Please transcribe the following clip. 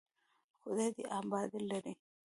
خدای دې آباد لري.